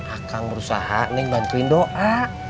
akang berusaha nih bantuin doa